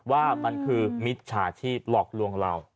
ว่ามันคือมิจฉาชีพหลอกลวงเรา